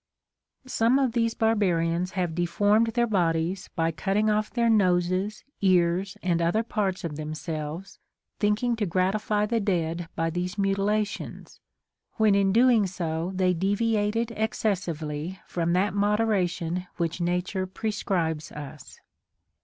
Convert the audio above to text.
Some of these barbarians have deformed their bodies by cutting off their noses, ears, and other parts of themselves, thinking to gratify the dead by these mutilations, when in doing so they deviated excessively from that moderation which Nature prescribes us.